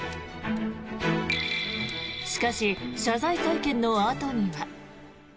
しかし、謝罪会見のあとには。